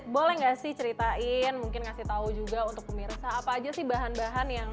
boleh nggak sih ceritain mungkin ngasih tahu juga untuk pemirsa apa aja sih bahan bahan yang